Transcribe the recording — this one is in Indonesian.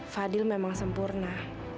fadil memang sempurna